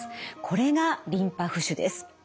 これがリンパ浮腫です。